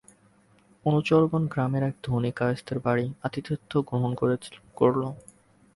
অনুচরগণ গ্রামের এক ধনী কায়স্থের বাড়ি আতিথ্য গ্রহণ করিল।